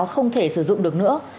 không bị phá hủy